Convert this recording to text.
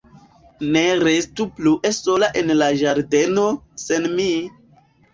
Ne restu plue sola en la ĝardeno, sen mi!